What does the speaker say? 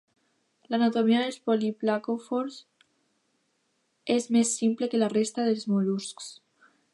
L'anatomia dels poliplacòfors és més simple que la resta dels mol·luscs.